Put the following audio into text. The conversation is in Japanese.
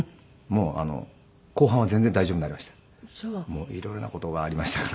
もう色々な事がありましたから。